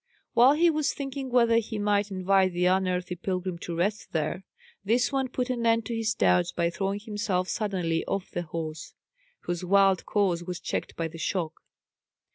While he was thinking whether he might invite the unearthly pilgrim to rest there, this one put an end to his doubts by throwing himself suddenly off the horse, whose wild course was checked by the shock.